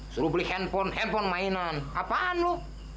suruh beli handphone handphone mainan apaan lu